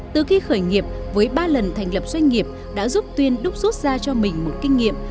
từ khi khởi nghiệp với ba lần thành lập doanh nghiệp đã giúp tuyên đúc rút ra cho mình một kinh nghiệm